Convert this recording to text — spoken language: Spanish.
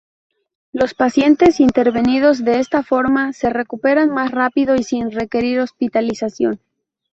Los pacientes intervenidos de esta forma se recuperan más rápido y sin requerir hospitalización.